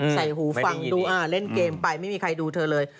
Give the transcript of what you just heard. หูฟังดูเล่นเกมไปไม่มีใครดูเธอเลย